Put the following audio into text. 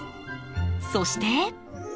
そして。